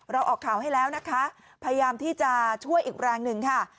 ออกข่าวให้แล้วนะคะพยายามที่จะช่วยอีกแรงหนึ่งค่ะ